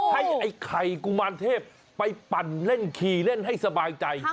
ไอ้ไข่กุมารเทพไปปั่นเล่นขี่เล่นให้สบายใจ